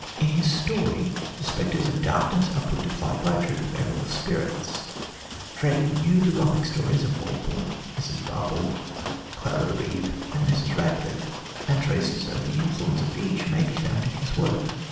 In his story the spectres of darkness are put to flight by a troop of aerial spirits. Dr. Drake knew the Gothic stories of Walpole, Mrs. Barbauld, Clara Reeve and Mrs. Radcliffe; and traces of the influence of each may be found in his work.